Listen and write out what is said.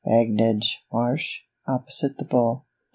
Bagnigge Marsh, opposite the Bull, Dec.